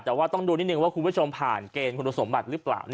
แต่ว่าต้องดูนิดนึงว่าคุณผู้ชมผ่านเกณฑ์คุณสมบัติหรือเปล่า